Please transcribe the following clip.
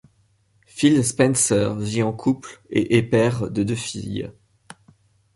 Phil Spencer vit en couple, et est père de deux filles.